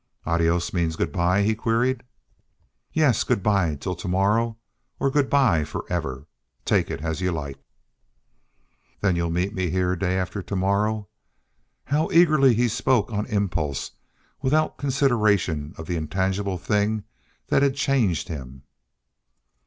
"Adios means good by?" he queried. "Yes, good by till to morrow or good by forever. Take it as y'u like." "Then you'll meet me here day after to morrow?" How eagerly he spoke, on impulse, without a consideration of the intangible thing that had changed him!